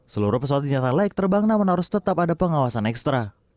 seluruh pesawat dinyatakan layak terbang namun harus tetap ada pengawasan ekstra